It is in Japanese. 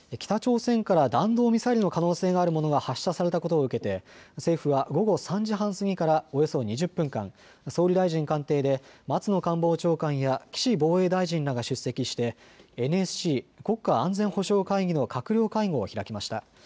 北朝鮮から弾道ミサイルの可能性があるものが発射されたことを受けて政府は午後３時半過ぎからおよそ２０分間、総理大臣官邸で松野官房長官や岸防衛大臣らが出席してＮＳＣ・国家安全保障会議の閣僚会合を開きました。